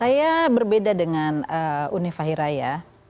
saya berbeda dengan uni fahiraya